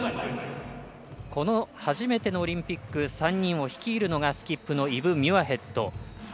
この初めてのオリンピック３人を率いるのがスキップのイブ・ミュアヘッド。